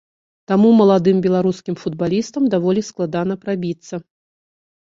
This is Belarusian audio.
Таму маладым беларускім футбалістам даволі складана прабіцца.